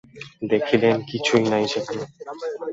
দেখিলেন, কিছুই নাই সেখানে।